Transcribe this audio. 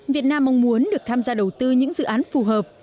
việt nam mong muốn được tham gia đầu tư những dự án phù hợp